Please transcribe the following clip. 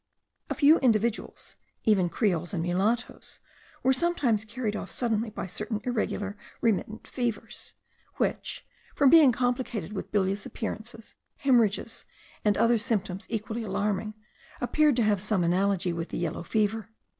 A few individuals, even creoles and mulattoes, were sometimes carried off suddenly by certain irregular remittent fevers; which, from being complicated with bilious appearances, hemorrhages, and other symptoms equally alarming, appeared to have some analogy with the yellow fever.